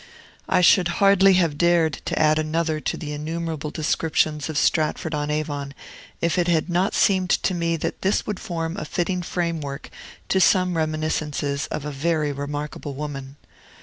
I should hardly have dared to add another to the innumerable descriptions of Stratford on Avon, if it had not seemed to me that this would form a fitting framework to some reminiscences of a very remarkable woman.